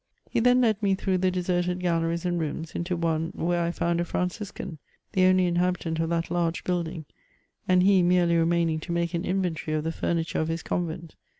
He then led me tJirough the deserted galleries and rooms, into one where I found a Franciscan, the only inhalHtant oi that large building, and he merely remaining to make an inventory of tlie furniture of his convent.